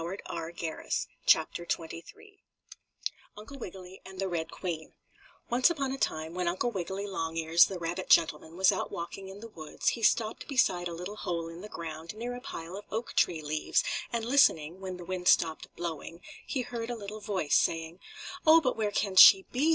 CHAPTER XXIII UNCLE WIGGILY AND THE RED QUEEN Once upon a time, when Uncle Wiggily Longears, the rabbit gentleman, was out walking in the woods, he stopped beside a little hole in the ground near a pile of oak tree leaves, and listening, when the wind stopped blowing, he heard a little voice saying: "Oh, but where can she be?